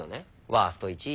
ワースト１位？